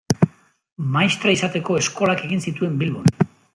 Maistra izateko eskolak egin zituen Bilbon.